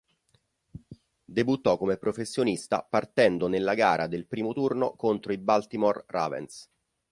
Debuttò come professionista partendo nella gara del primo turno contro i Baltimore Ravens.